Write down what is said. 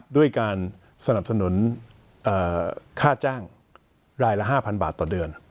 ด้วยการสนับสนุนค่าจ้างรายละ๕๐๐บาทต่อเดือน